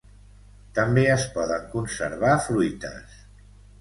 També es poden conservar fruites.